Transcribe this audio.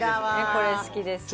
これ好きですね。